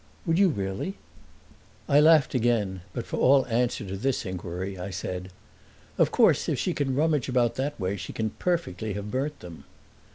"Would you really?" I laughed again, but for all answer to this inquiry I said, "Of course if she can rummage about that way she can perfectly have burnt them."